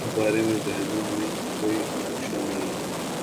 اس بارے ذہنوں میں کوئی نقشہ نہیں۔